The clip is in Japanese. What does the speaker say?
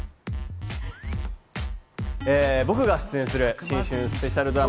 僕が出演する新春スペシャルドラマ